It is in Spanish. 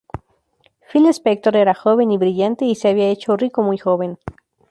Phil Spector era joven y brillante y se había hecho rico muy joven.